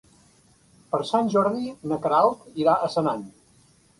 Per Sant Jordi na Queralt irà a Senan.